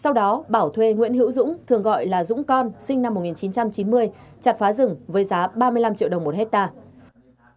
sau đó bảo thuê nguyễn hữu dũng thường gọi là dũng con sinh năm một nghìn chín trăm chín mươi chặt phá rừng với giá ba mươi năm triệu đồng một hectare